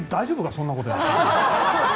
そんなことやって。